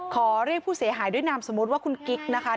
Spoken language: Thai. ขอเรียกผู้เสียหายด้วยนามสมมุติว่าคุณกิ๊กนะคะ